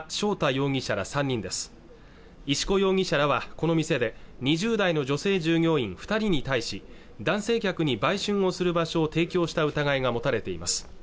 容疑者ら３人です石河容疑者らはこの店で２０代の女性従業員二人に対し男性客に売春をする場所を提供した疑いが持たれています